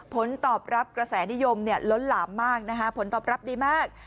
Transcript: ผลตอบรับกระแสนิยมล้นหลามมากนะคะผลตอบรับดีมาก